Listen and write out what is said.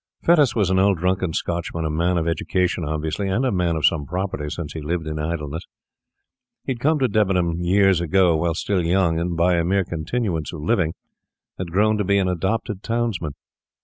Fettes was an old drunken Scotchman, a man of education obviously, and a man of some property, since he lived in idleness. He had come to Debenham years ago, while still young, and by a mere continuance of living had grown to be an adopted townsman.